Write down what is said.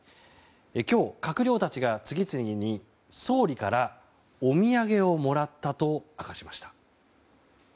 今日、閣僚たちが次々に総理からお土産をもらったと明かしました。